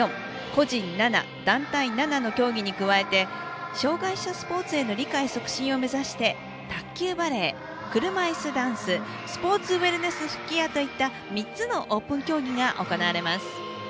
個人７、団体７の競技に加えて障害者スポーツへの理解促進を目指して卓球バレー、車いすダンススポーツウエルネス吹矢といった３つのオープン競技が行われます。